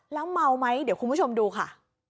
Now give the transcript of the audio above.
แล้วเมาไหมเดี๋ยวคุณผู้ชมดูค่ะ